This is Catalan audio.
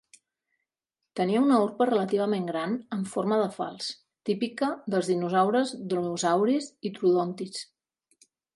Tenia una urpa relativament gran amb forma de falç, típica dels dinosaures dromeosàurids i troodòntids.